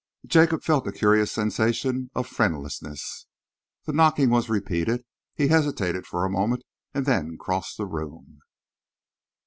Jacob felt a curious sensation of friendlessness. The knocking was repeated. He hesitated for a moment and then crossed the room.